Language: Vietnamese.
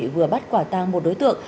vừa bắt quả tang một đối tượng